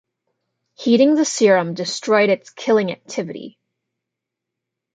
Heating the serum destroyed its killing activity.